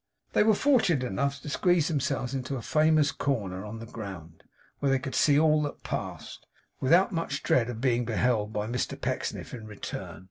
They were fortunate enough to squeeze themselves into a famous corner on the ground, where they could see all that passed, without much dread of being beheld by Mr Pecksniff in return.